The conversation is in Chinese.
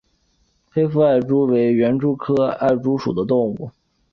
黑腹艾蛛为园蛛科艾蛛属的动物。